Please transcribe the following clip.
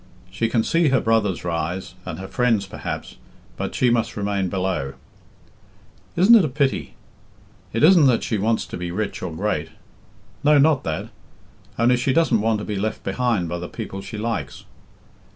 She can see her brothers rise, and her friends perhaps, but she must remain below. Isn't it a pity? It isn't that she wants to be rich or great. No, not that; only she doesn't want to be left behind by the people she likes.